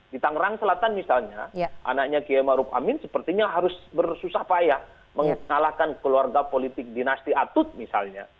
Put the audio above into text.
di tangerang selatan misalnya anaknya kiai maruf amin sepertinya harus bersusah payah mengalahkan keluarga politik dinasti atut misalnya